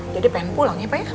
jadi pengen pulang ya pak ya